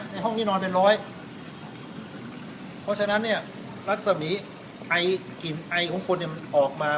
ห้องที่นอนเป็นร้อยเพราะฉะนั้นเนี่ยรัศมีไอกลิ่นไอของคนเนี่ยมันออกมา